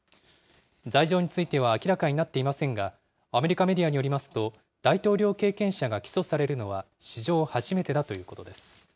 罪状については明らかになっていませんが、アメリカメディアによりますと、大統領経験者が起訴されるのは史上初めてだということです。